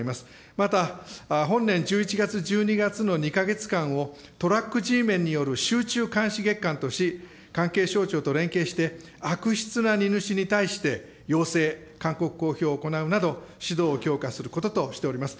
また、本年１１月、１２月の２か月間を、トラックＧメンによる集中監視月間とし、関係省庁と連携して、悪質な荷主に対して、要請、勧告、公表を行うなど、指導を強化することとしております。